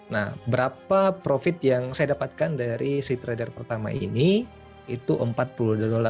nah berapa profit yang saya dapatkan dari si trader pertama ini itu empat puluh dolar